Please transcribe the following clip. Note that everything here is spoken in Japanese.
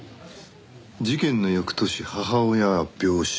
事件の翌年母親は病死。